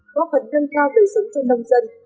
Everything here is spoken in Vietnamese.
góp phần nâng cao đời sống cho nông dân